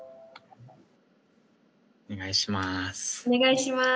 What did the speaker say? お願いします。